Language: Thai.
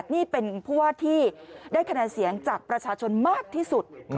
นี่เป็นผู้ว่าที่ได้คะแนนเสียงจากประชาชนมากที่สุด